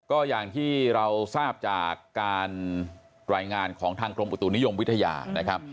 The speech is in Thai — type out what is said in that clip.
ก็อย่างที่เราทราบจากการรายงานของทางกรมอุตุนิยมวิทยานะครับ